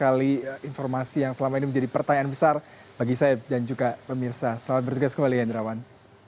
kita akan menemukan banyak informasi yang selama ini menjadi pertanyaan besar bagi saya dan juga pemirsa selamat bertugas kembali ya hidrawan